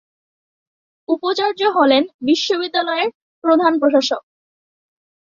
উপাচার্য হলেন বিশ্ববিদ্যালয়ের প্রধান প্রশাসক।